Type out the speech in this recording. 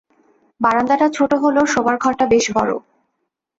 বারান্দাটা ছোট হলেও শোবার ঘরটা বেশ বড়।